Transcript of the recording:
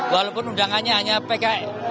walaupun undangannya hanya perusahaan